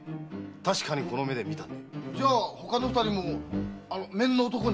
確かにこの目で見たんで。じゃあほかの二人もあの面の男に？